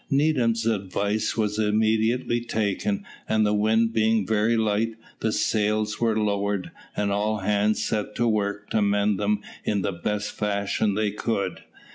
Needham's advice was immediately taken, and the wind being very light, the sails were lowered, and all hands set to work to mend them in the best fashion they could.